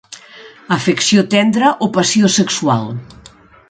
Afecció tendra o passió sexual.